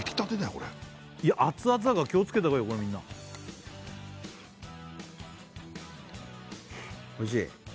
これアツアツだから気をつけた方がいいよこれみんなおいしい？